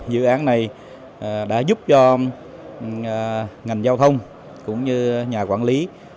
dự án này đã giúp cho ngành giao thông cũng như nhà quản lý